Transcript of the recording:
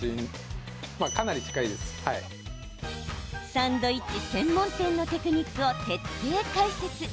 サンドイッチ専門店のテクニックを徹底解説。